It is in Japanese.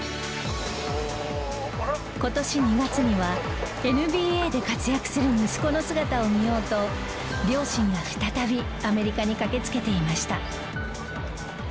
今年２月にはＮＢＡで活躍する息子の姿を見ようと両親が再びアメリカに駆けつけていました。